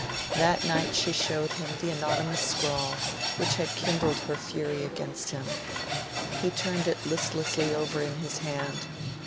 That night she showed him the anonymous scrawl which had kindled her fury against him. He turned it listlessly over in his hand.